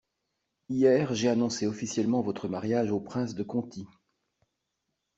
Hier, j’ai annoncé officiellement votre mariage au prince de Conti.